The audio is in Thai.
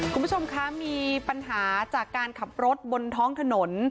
คุณผู้ชมคะมีปัญหาจากการขับรถบนท้องถนน